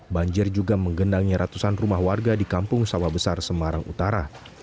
banjir juga menggendangnya ratusan rumah warga di kampung sawah besar semarang utara